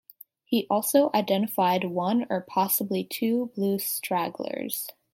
He also identified one or possibly two blue stragglers.